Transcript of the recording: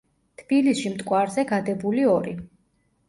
თბილისში მტკვარზე გადებული ორი.